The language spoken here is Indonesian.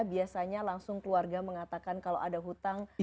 biasanya langsung keluarga mengatakan kalau ada hutang